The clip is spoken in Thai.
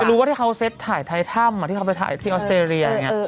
รู้ว่าที่เขาเซ็ตถ่ายไทยถ้ำที่เขาไปถ่ายที่ออสเตรเลียอย่างนี้